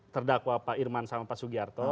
terdakwa pak irman sama pak sugiarto